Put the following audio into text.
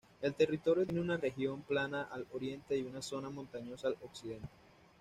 El territorio tiene una región Plana al Oriente y una zona Montañosa al Occidente.